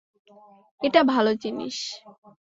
এটা ভালো জিনিস।